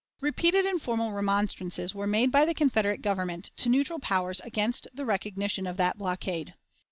Repeated and formal remonstrances were made by the Confederate Government to neutral powers against the recognition of that blockade.